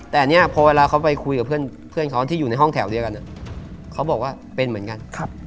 แต่เนี่ยพอเวลาเขาไปคุยกับเพื่อนเขาที่อยู่ในห้องแถวเดียวกันเขาบอกว่าเป็นเหมือนกัน